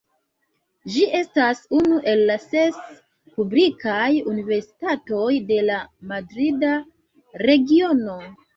Ĝi estas unu el la ses publikaj universitatoj de la Madrida Regiono.